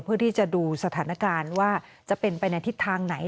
เพื่อที่จะดูสถานการณ์ว่าจะเป็นไปในทิศทางไหน